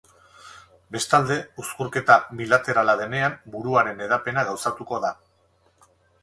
Bestalde, uzkurketa bilaterala denean, buruaren hedapena gauzatuko da.